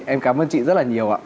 em cảm ơn chị rất là nhiều ạ